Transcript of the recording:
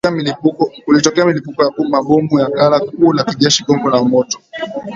Kulitokea milipuko ya mabomu ya ghala kuu la kijeshi gongo la mboto